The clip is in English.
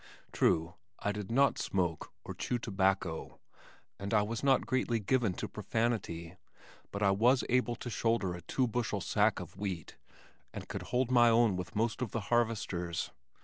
True, I did not smoke or chew tobacco and I was not greatly given to profanity, but I was able to shoulder a two bushel sack of wheat and could hold my own with most of the harvesters.